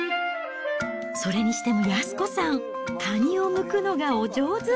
それにしても靖子さん、カニをむくのがお上手。